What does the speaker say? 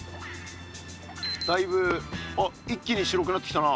だいぶ一気に白くなってきたな。